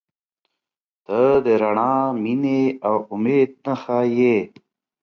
• ته د رڼا، مینې، او امید نښه یې.